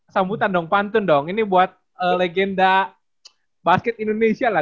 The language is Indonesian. sambutan dong pantun dong ini buat legenda basket indonesia lah